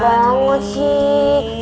sayang apa itu sih